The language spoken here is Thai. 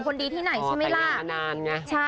คนดีที่ไหนใช่ไหมล่ะ